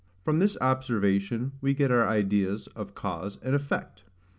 From this observation we get our ideas of CAUSE and EFFECT.